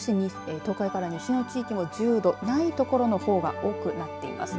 東海から西の地域も１０度ない所のほうが多くなっています。